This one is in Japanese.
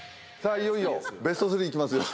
いよいよベスト３いきますよ。